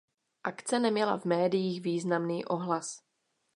Akce neměla v médiích významný ohlas.